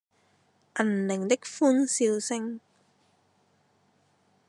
銀鈴的歡笑聲